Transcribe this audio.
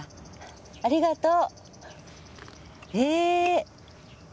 ありがとう。へ！